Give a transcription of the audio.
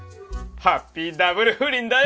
ハッピーダブル不倫だよ！